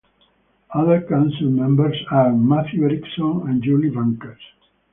Other council members are Matthew Erikson and Julie Bankers.